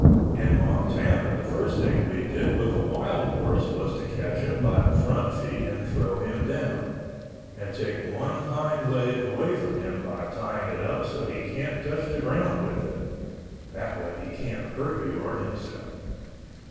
In Montana the first thing we did with a wild horse was to catch him by the front feet and throw him down, and take one hind leg away from him by tying it up so he can't touch the ground with it (that way he can't hurt you or himself).